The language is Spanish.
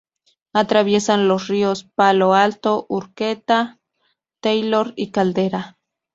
Atraviesan los ríos Palo Alto, Horqueta, Taylor y Caldera.